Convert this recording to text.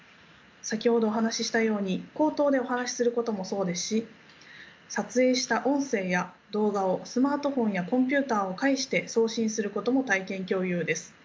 先ほどお話ししたように口頭でお話しすることもそうですし撮影した音声や動画をスマートフォンやコンピューターを介して送信することも体験共有です。